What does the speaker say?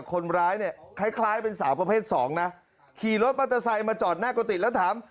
คนร้ายเนี่ยคล้ายคล้ายเป็นสาวประเภทสองนะขี่รถมอเตอร์ไซค์มาจอดหน้ากุฏิแล้วถาม